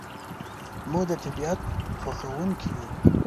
موږ د طبیعت خوښونکي یو.